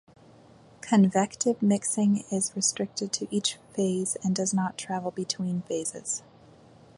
Convective mixing is restricted to each phase and does not travel between phases.